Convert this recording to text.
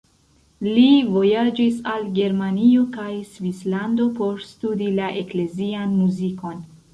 Li vojaĝis al Germanio kaj Svislando por studi la eklezian muzikon.